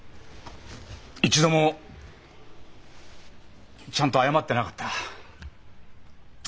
一度もちゃんと謝ってなかった。